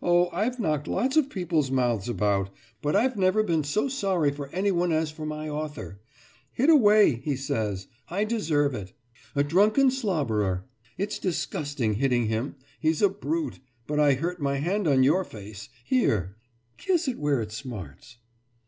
Oh, I've knocked lots of people's mouths about, but I've never been so sorry for anyone as for my author. 'Hit away', he says, 'I deserve it.' A drunken slobberer! It's disgusting hitting him. He's a brute. But I hurt my hand on your face. Here kiss it where it smarts!